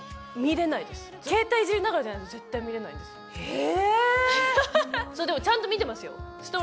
え！